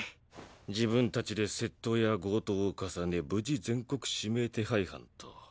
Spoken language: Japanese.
自分達で窃盗や強盗を重ね無事全国指名手配犯と。